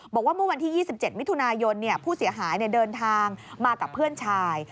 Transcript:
บอกว่าเมื่อวันที่๒๗มิถุนายนผู้เสียหายเดินทางมากับเพื่อนชาย